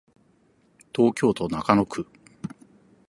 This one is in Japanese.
東京都中野区